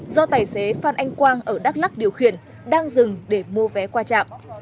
do tài xế phan anh quang ở đắk lắc điều khiển đang dừng để mua vé qua trạm